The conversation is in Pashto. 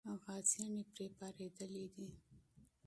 غازیان یې پرې راپارېدلي دي.